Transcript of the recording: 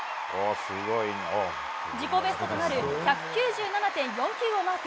自己ベストとなる１９７．４９をマーク。